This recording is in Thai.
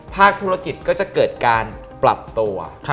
ภาคธุรกิจก็จะเกิดการปรับตัว